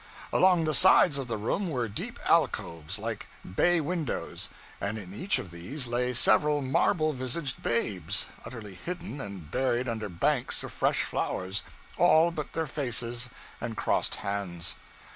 Along the sides of the room were deep alcoves, like bay windows; and in each of these lay several marble visaged babes, utterly hidden and buried under banks of fresh flowers, all but their faces and crossed hands.